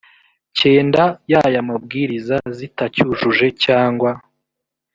cyenda y aya mabwiriza zitacyujuje cyangwa